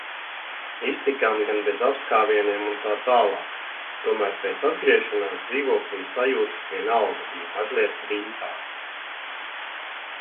Iztikām gan bez apskāvieniem utt., tomēr pēc atgriešanās dzīvoklī sajūtas vienalga bija mazliet rimtākas.